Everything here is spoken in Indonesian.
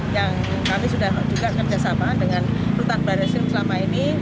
yang kami sudah juga kerjasama dengan rutan baris krim selama ini